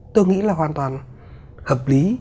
tôi nghĩ là hoàn toàn hợp lý